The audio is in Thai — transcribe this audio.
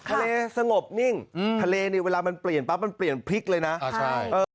ทะเลสงบนิ่งทะเลเวลามันเปลี่ยนปรับเปลี่ยนพริกเลยนะ